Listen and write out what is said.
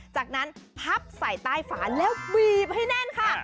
จากนั้นพับใส่ใต้ฝาแล้วบีบให้แน่นค่ะ